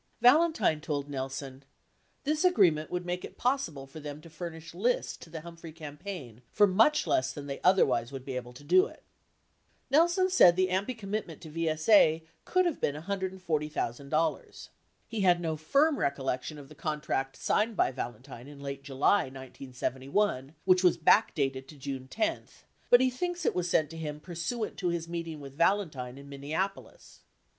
Valentine told Nelson, "... this (agreement) would make it possible for them to furnish lists to the Humphrey campaign for much less than they otherwise would be able to do it." 46 Nelson said the AMPI commitment to VSA could have been $140,000. He had no firm recollection of the contract signed by Valentine in late July, 1971, which was back dated to June 10, but he thinks it was sent to him pursuant to his meeting with Valentine in Minneapolis.